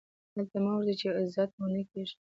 هلته مه ورځئ، چي عزت مو نه کېږي.